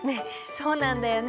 そうなんだよね。